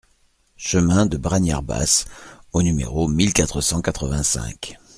Chemin de Bragnères Basses au numéro mille quatre cent quatre-vingt-cinq